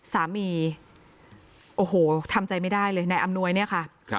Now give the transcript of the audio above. สามีโอ้โหทำใจไม่ได้เลยนายอำนวยเนี่ยค่ะ